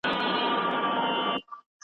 ستا د مجملې يارۍ تاو دی غرق يې کړمه